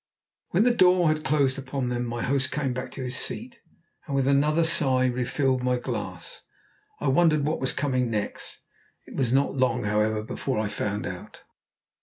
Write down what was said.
When the door had closed upon them my host came back to his seat, and with another sigh refilled my glass. I wondered what was coming next. It was not long, however, before I found out.